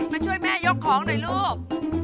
มาช่วยแม่ยกของหน่อยลูก